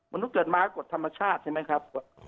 มนุษย์เกิดม้ากฎธรรมชาติใช่ไหมครับ